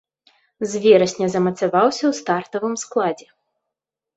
З верасня замацаваўся ў стартавым складзе.